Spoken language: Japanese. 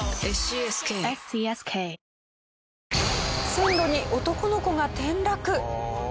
線路に男の子が転落。